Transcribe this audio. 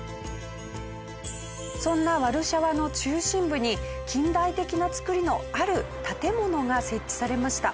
そんなワルシャワの中心部に近代的な造りのある建物が設置されました。